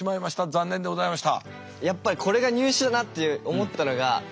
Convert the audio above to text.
残念でございました。